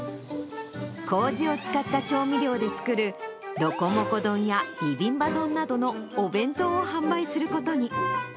こうじを使った調味料で作るロコモコ丼やビビンバ丼などのお弁当を販売することに。